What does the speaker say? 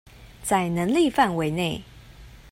在能力範圍內